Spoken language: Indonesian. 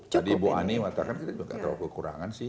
tadi ibu ani katakan kita juga terlalu kekurangan sih